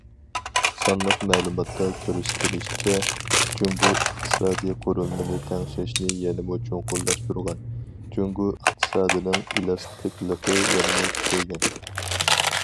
سانلىق مەلۇماتتا كۆرسىتىلىشىچە، جۇڭگو ئىقتىسادىي قۇرۇلمىنى تەڭشەشنى يەنىمۇ چوڭقۇرلاشتۇرغان، جۇڭگو ئىقتىسادىنىڭ ئېلاستىكلىقى يەنىمۇ كۈچەيگەن.